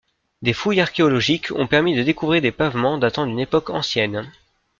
Des fouilles archéologiques ont permis de découvrir des pavements datant d'une époque ancienne.